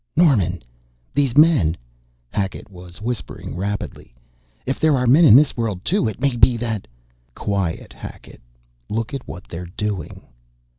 "Norman these men " Hackett was whispering rapidly. "If there are men in this world too, it may be that " "Quiet, Hackett look at what they're doing."